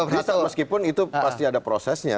meskipun itu pasti ada prosesnya